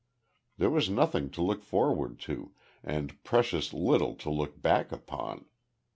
There was nothing to look forward to, and precious little to look back upon.